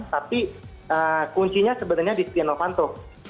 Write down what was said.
tapi kuncinya sebenarnya di setia novanto